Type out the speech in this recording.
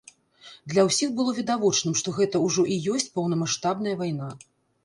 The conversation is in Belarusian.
Для ўсіх было відавочным, што гэта ўжо і ёсць паўнамаштабная вайна.